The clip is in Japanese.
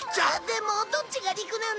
でもどっちが陸なんだ？